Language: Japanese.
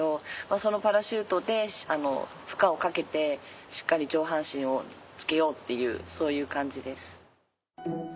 そのパラシュートで負荷をかけてしっかり上半身をつけようっていうそういう感じです。